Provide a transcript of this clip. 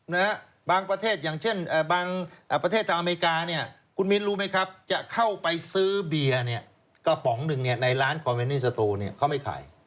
ความผิดมันสำเร็จเนี่ยเขาไม่ขาย